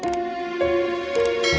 kamu mau ngerti